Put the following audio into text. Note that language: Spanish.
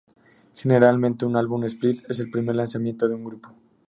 Generalmente un álbum "split" es el primer lanzamiento de un grupo.